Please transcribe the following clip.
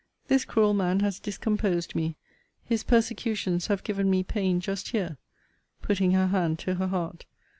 This cruel man has discomposed me. His persecutions have given me pain just here, [putting her hand to her heart.